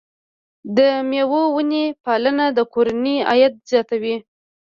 د مېوو ونې پالنه د کورنۍ عاید زیاتوي.